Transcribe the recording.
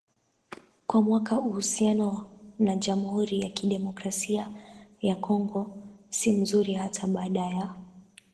kwa mwakaUhusiano na Jamhuri ya Kidemokrasia ya Kongo si mzuri hata baada ya